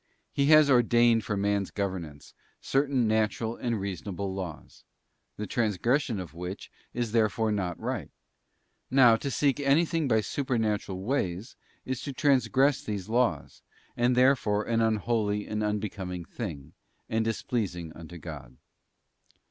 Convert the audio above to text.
He has ordained for man's governance certain natural and reasonable laws, the transgression of which is therefore not right: now, to seek anything by supernatural ways is to transgress these laws, and therefore an unholy and unbecoming thing, and displeasing unto God.